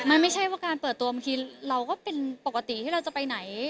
มันไม่ใช่ว่าการเปิดตัวบางทีเราก็เป็นปกติที่เราจะไปไหน